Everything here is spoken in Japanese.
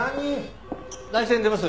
内線出ます。